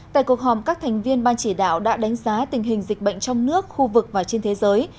tại cuộc họp các thành viên ban chỉ đạo đã đánh giá tình hình dịch bệnh trong nước khu vực và trên thế giới